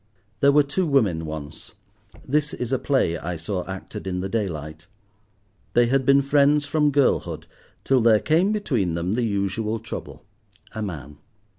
There were two women once. This is a play I saw acted in the daylight. They had been friends from girlhood, till there came between them the usual trouble—a man.